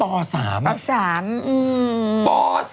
อ๋อ๓อืมป๓